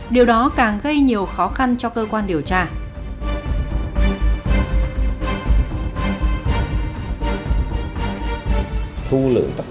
điều đó càng gây nhiều khó khăn cho cơ quan điều tra